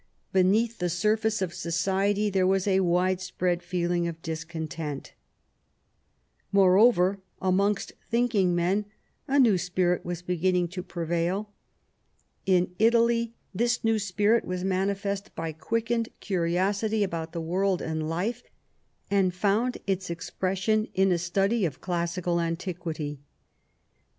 Beneath the surface of society there was a widespread feeling of discontent Moreover, amongst thinkingmen a new spirit was begin ning to prevail In Italy this new spirit was manifest by quickened curiosity about the world and life, and found its expression in a study of classical antiquity.